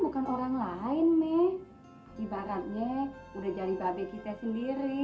bukan orang lain me ibaratnya udah jadi babe kita sendiri